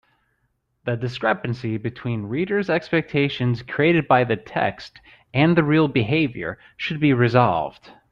The discrepancy between reader’s expectations created by the text and the real behaviour should be resolved.